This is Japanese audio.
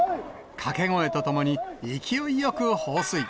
掛け声とともに、勢いよく放水。